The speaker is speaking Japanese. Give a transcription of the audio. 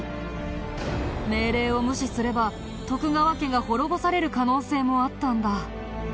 命令を無視すれば徳川家が滅ぼされる可能性もあったんだ。